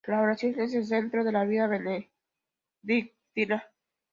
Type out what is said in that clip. La oración es el centro de la vida benedictina.